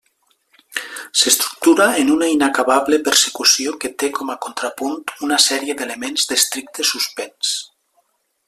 S'estructura en una inacabable persecució que té com a contrapunt una sèrie d'elements d'estricte suspens.